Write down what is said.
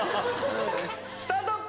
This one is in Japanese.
スタート！